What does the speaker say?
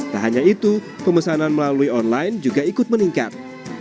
tak hanya itu pemesanan melalui online juga ikut meningkat